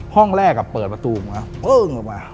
ห้องแรกเปิดประตูออกมาอึ้งออกมา